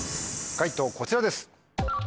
解答こちらです。